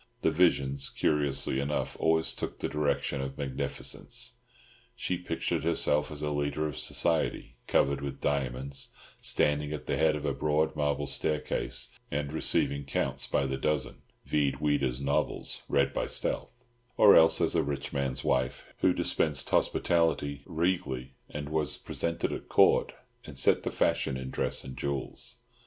The visions, curiously enough, always took the direction of magnificence. She pictured herself as a leader of society, covered with diamonds, standing at the head of a broad marble staircase and receiving Counts by the dozen (vide Ouida's novels, read by stealth); or else as a rich man's wife who dispensed hospitality regally, and was presented at Court, and set the fashion in dress and jewels.